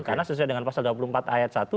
karena sesuai dengan pasal dua puluh empat ayat satu